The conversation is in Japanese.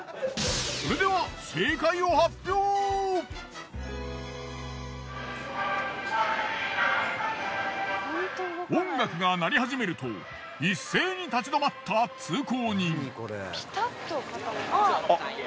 それでは音楽が鳴り始めると一斉に立ち止まった通行人。